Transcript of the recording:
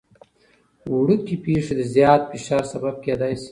وړوکي پېښې د زیات فشار سبب کېدای شي.